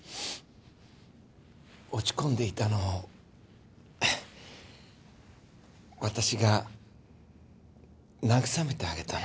落ち込んでいたのを私が慰めてあげたの。